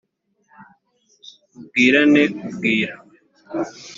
mubwirana ubwira